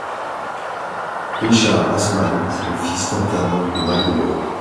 Richard Aßmann est fils d'un tanneur de Magdebourg.